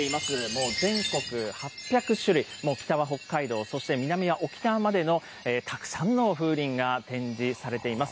もう全国８００種類、もう北は北海道、そして南は沖縄までのたくさんの風鈴が展示されています。